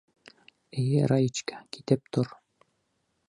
Эйе, Раечка, китеп тор.